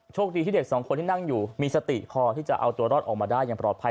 โชคดีที่เด็กสองคนที่นั่งอยู่มีสติพอที่จะเอาตัวรอดออกมาได้อย่างปลอดภัย